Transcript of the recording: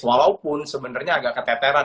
walaupun sebenarnya agak keteteran